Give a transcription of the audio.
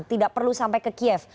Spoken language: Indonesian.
tidak perlu sampai ke kiev